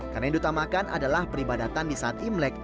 karena yang ditamakan adalah peribadatan di saat imlek